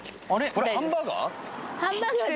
これハンバーガー？